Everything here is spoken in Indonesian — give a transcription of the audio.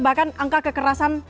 bahkan angka kekerasan